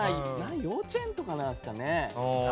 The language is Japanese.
幼稚園とかなんですかね。